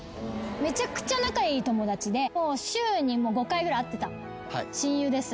めちゃくちゃ仲いい友達で週に５回ぐらい会ってた親友です。